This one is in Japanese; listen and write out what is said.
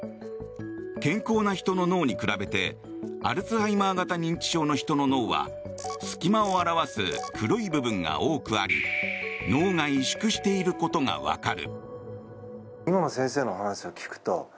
健康な人の脳に比べてアルツハイマー型認知症の人の脳は隙間を表す黒い部分が多くあり脳が萎縮していることがわかる。